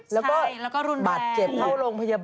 ใช่แล้วก็รุนแรงบัตรเจ็บเข้าโรงพยาบาล